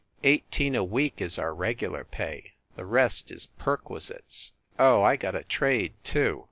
Eighteen a week is our regular pay. The rest is perquisites." "Oh, I got a trade, too.